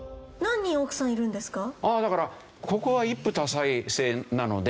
ああだからここは一夫多妻制なので。